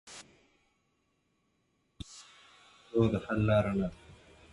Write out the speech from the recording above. ملت باید درک کړي چې جګړه د ستونزو د حل لاره نه ده.